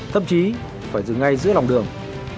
thậm chí phải dừng ngay giữa lòng đường